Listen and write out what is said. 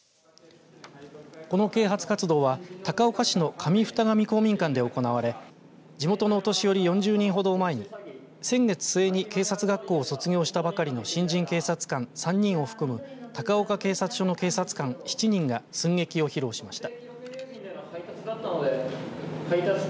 この啓発活動は高岡市の上二上公民館で行われ地元のお年寄り４０人ほどを前に先月末に警察学校を卒業したばかりの新人警察官３人を含む高岡警察署の警察官７人が寸劇を披露しました。